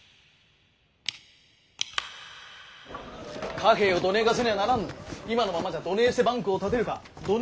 貨幣をどねえかせにゃあならんのに今のままじゃどねえしてバンクを建てるかどね